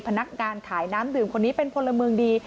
พนักงานขายน้ำดื่มคนนี้เป็นพลเมืองดี